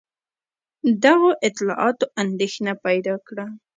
دغو اطلاعاتو اندېښنه پیدا کړه.